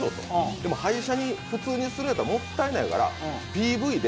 でも廃車に普通にするのはもったいないからＰＶで